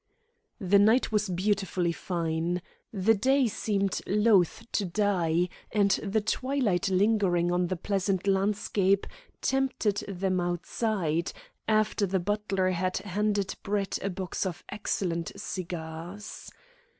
The night was beautifully fine. The day seemed loth to die, and the twilight lingering on the pleasant landscape tempted them outside, after the butler had handed Brett a box of excellent cigars.